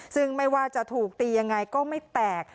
ซึ่งไม่ว่าจะถูกตียังไงก็ไม่แตก